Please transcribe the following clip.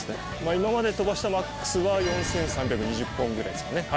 今まで飛ばしたマックスは、４３２０本ぐらいですかね。